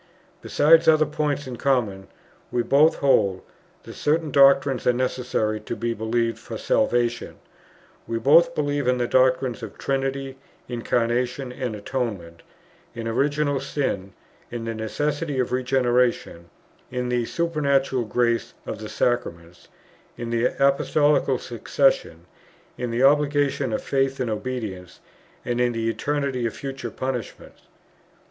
Besides other points in common, we both hold, that certain doctrines are necessary to be believed for salvation; we both believe in the doctrines of the Trinity, Incarnation, and Atonement; in original sin; in the necessity of regeneration; in the supernatural grace of the Sacraments; in the Apostolical succession; in the obligation of faith and obedience, and in the eternity of future punishment," pp.